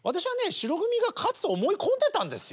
白組が勝つと思い込んでたんですよ。